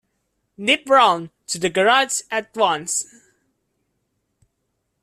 Nip round to the garage at once.